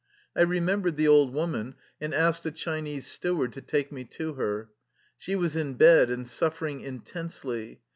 I re membered the old woman, and asked a Chinese steward to take me to her. She was in bed and suffering intensely.